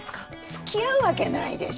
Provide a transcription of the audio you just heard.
つきあうわけないでしょ。